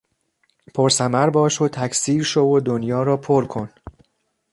پرثمر باش و تکثیر شو و دنیا را پرکن.